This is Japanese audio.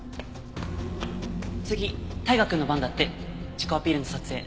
次大我くんの番だって自己アピールの撮影。